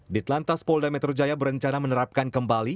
ditelantas polda metro jaya berencana menerapkan kembali